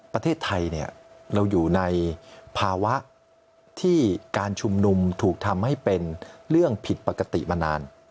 ประเทศไทยเราอยู่ในภาวะที่การชุมนุมถูกทำให้เป็นเรื่องผิดปกติมานาน